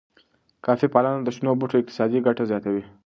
کافی پالنه د شنو بوټو اقتصادي ګټه زیاتوي.